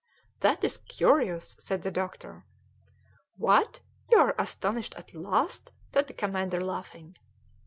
"That is curious!" said the doctor. "What! you are astonished at last!" said the commander, laughing.